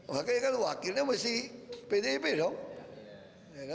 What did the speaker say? makanya kan wakilnya masih pdip dong